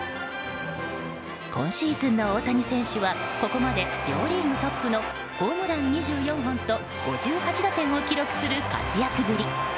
今シーズンの大谷選手はここまで両リーグトップのホームラン２４本と５８打点を記録する活躍ぶり。